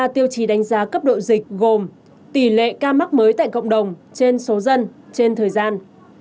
ba tiêu chí đánh giá cấp độ dịch gồm tỷ lệ ca mắc mới tại cộng đồng trên số dân trên thời gian